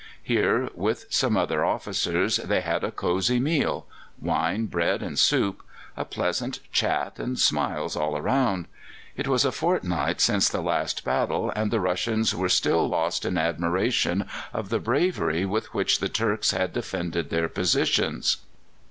Here, with some other officers, they had a cosy meal wine, bread, and soup a pleasant chat and smiles all round. It was a fortnight since the last battle, and the Russians were still lost in admiration of the bravery with which the Turks had defended their positions.